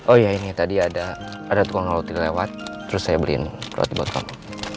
oh ya ini tadi ada ada tukang lalut dilewat terus saya beliin roti buat kamu